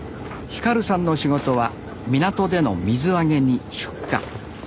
輝さんの仕事は港での水揚げに出荷。